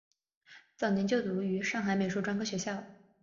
早年就读于于上海美术专科学校。